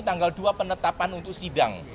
tanggal dua penetapan untuk sidang